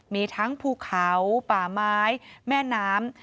มีทั้งภูเขาป่าไม้แม่น้ำ